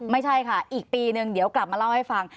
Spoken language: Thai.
ไม่ใช่ค่ะอีกปีนึงเดี๋ยวกลับมาเล่าให้ฟัง